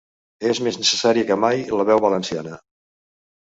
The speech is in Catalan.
És més necessària que mai la veu valenciana.